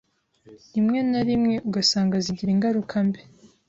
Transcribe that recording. rimwe na rimwe ugasanga zigira ingaruka mbi